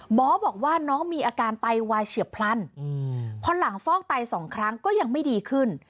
หมอบอกว่าน้องมีอาการไตวายเฉียบพลันพอหลังฟอกไตสองครั้งก็ยังไม่ดีขึ้น